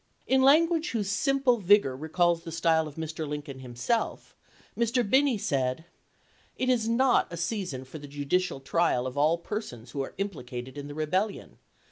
In language whose simple vigor re calls the style of Mr. Lincoln himself, Mr. Binney said :" It is not a season for the judicial trial of aU persons who are implicated in the Rebellion.